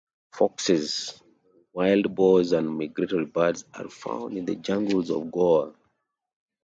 Foxes, wild boars and migratory birds are found in the jungles of Goa.